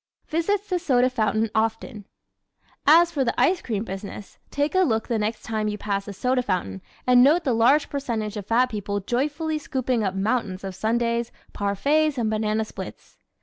Visits the Soda Fountain Often ¶ As for the ice cream business, take a look the next time you pass a soda fountain and note the large percentage of fat people joyfully scooping up mountains of sundaes, parfaits and banana splits.